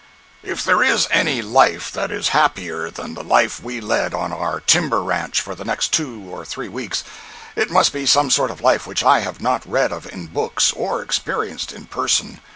If there is any life that is happier than the life we led on our timber ranch for the next two or three weeks, it must be a sort of life which I have not read of in books or experienced in person.